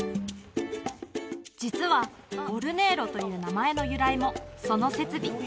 実はオルネーロという名前の由来もその設備